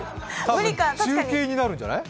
中継になるんじゃない？